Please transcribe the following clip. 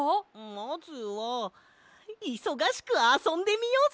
まずはいそがしくあそんでみようぜ。